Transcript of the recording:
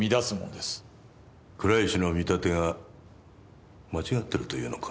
倉石の見立てが間違ってるというのか？